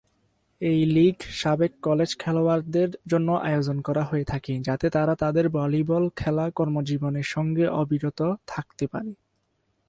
এই লীগ সাবেক কলেজ খেলোয়াড়দের জন্য আয়োজন করা হয়ে থাকে, যাতে তারা তাদের ভলিবল খেলা কর্মজীবনের সঙ্গে অবিরত থাকতে পারে।